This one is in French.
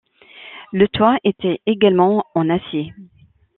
Le toit était également en acier.